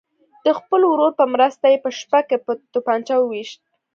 د خپل ورور په مرسته یې په شپه کې په توپنچه ویشت.